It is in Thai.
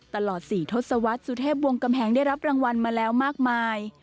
ตลอด๔ทศวรรษสุเทพวงกำแหงได้รับรางวัลมาแล้วมากมาย